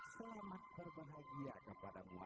selamat berbahagia kepada mu